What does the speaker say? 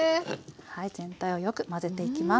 はい全体をよく混ぜていきます。